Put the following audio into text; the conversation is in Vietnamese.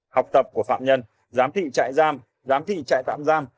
học tập của phạm nhân giám thị chạy giam giám thị chạy tạm giam